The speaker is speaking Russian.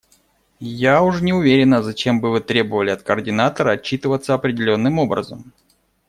Я уж не уверена, зачем бы Вы требовали от координатора отчитываться определенным образом.